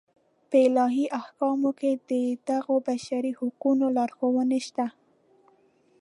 په الهي احکامو کې د دغو بشري حقونو لارښوونې شته.